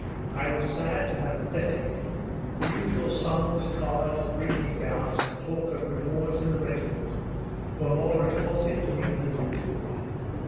I was sad and apathetic, the usual songs, cards, drinking bouts, and talk of rewards in the regiment, were more repulsive to me than usual.